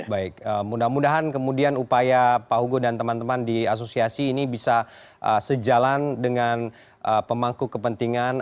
baik mudah mudahan kemudian upaya pak hugo dan teman teman di asosiasi ini bisa sejalan dengan pemangku kepentingan